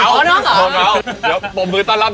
ผมมือต้อนรับน้องไอทีกลับเข้าสู่เรื่องการครับ